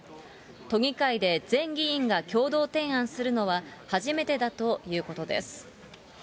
都議会で全議員が共同提案するのは初めてだということです。